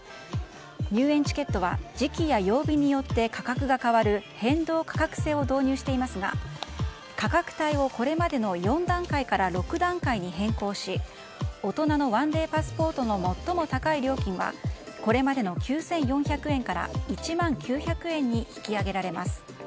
入園チケットは時期や曜日によって価格が変わる変動価格制を導入していますが価格帯を、これまでの４段階から６段階に変更し大人の１デーパスポートの最も高い料金はこれまでの９４００円から１万９００円に引き上げられます。